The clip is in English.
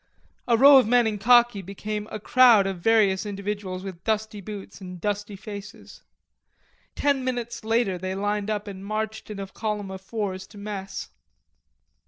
The row of men in khaki became a crowd of various individuals with dusty boots and dusty faces. Ten minutes later they lined up and marched in a column of fours to mess.